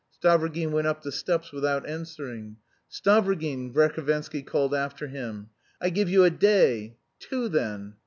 Stavrogin went up the steps without answering. "Stavrogin!" Verhovensky called after him, "I give you a day... two, then...